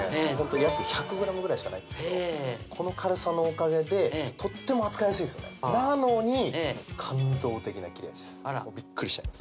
約１００ｇぐらいしかないんですけどこの軽さのおかげでとっても扱いやすいんですよねなのにあらビックリしちゃいます